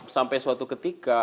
sampai suatu ketika